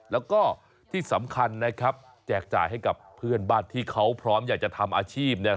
แล้วก็ที่สำคัญนะครับแจกจ่ายให้กับเพื่อนบ้านที่เขาพร้อมอยากจะทำอาชีพเนี่ย